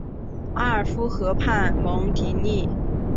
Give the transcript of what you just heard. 阿夫尔河畔蒙蒂尼。